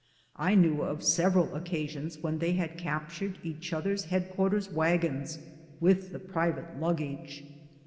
I knew of several occasions when they had captured each oth er's head quarters wagons with the private Inggage.